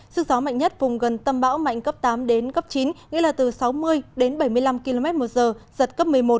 sức gió mạnh nhất vùng gần tâm bão mạnh cấp tám đến cấp chín nghĩa là từ sáu mươi đến bảy mươi năm km một giờ giật cấp một mươi một